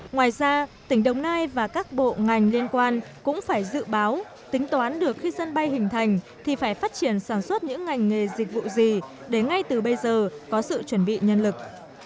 ngoài ra tỉnh đồng nai và các bộ ngành liên quan cũng phải dự báo tính toán được khi sân bay hình thành thì phải phát triển sản xuất những ngành nghề dịch vụ gì để ngay từ bây giờ có sự chuẩn bị nhân lực